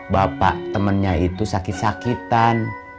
bapak temennya itu sakit sakitan